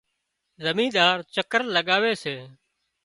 زمينۮار چڪر لڳاوي سي